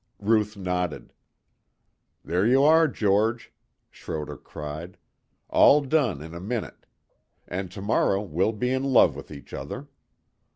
Ruth nodded. "There you are, George," Schroder cried. "All done in a minute. And tomorrow we'll be in love with each other.